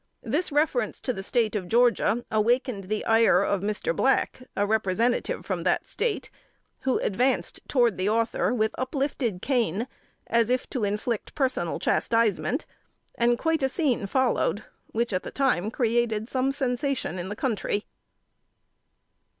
This reference to the State of Georgia awakened the ire of Mr. Black, a Representative from that State, who advanced toward the Author with uplifted cane, as if to inflict personal chastisement, and quite a scène followed, which at the time created some sensation in the country.